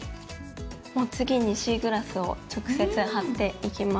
もう次にシーグラスを直接貼っていきます。